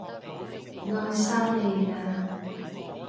愛沙尼亞